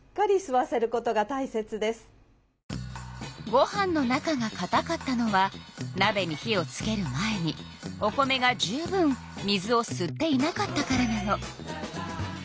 ご飯の中がかたかったのはなべに火をつける前にお米が十分水をすっていなかったからなの。